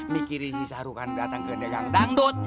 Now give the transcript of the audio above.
mikirin si sahrukan datang ke degang dangdut